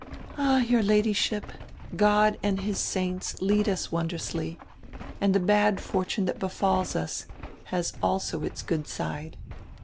"All, your Ladyship, God and his saints lead us won drously, and die bad fortune that befalls us has also its good side.